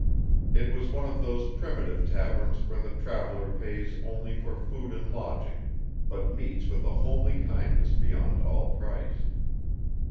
It was one of those primitive taverns where the traveller pays only for food and lodging, but meets with a homely kindness beyond all price.